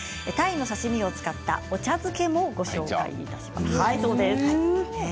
鯛の刺身を使ったお茶漬けもご紹介します。